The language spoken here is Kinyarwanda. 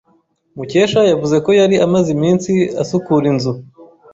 Mukesha yavuze ko yari amaze iminsi asukura inzu.